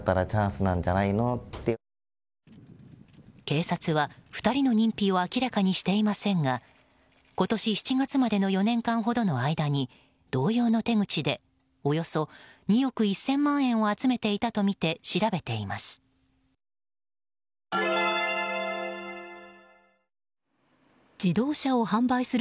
警察は２人の認否を明らかにしていませんが今年７月までの４年間ほどの間に同様の手口でおよそ２億１０００万円を集めていたとみて調べています。